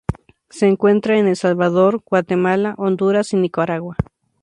Se encuentra en El Salvador, Guatemala, Honduras, y Nicaragua.